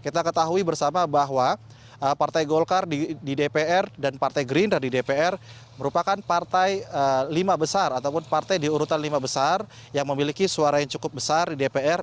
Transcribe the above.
kita ketahui bersama bahwa partai golkar di dpr dan partai gerindra di dpr merupakan partai lima besar ataupun partai di urutan lima besar yang memiliki suara yang cukup besar di dpr